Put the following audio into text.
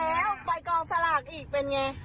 แล้วไปกองสลากอีกเป็นไง